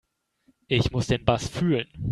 Ich muss den Bass fühlen.